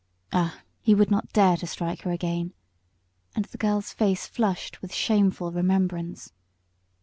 Ah! he would not dare to strike her again, and the girl's face flushed with shameful remembrance.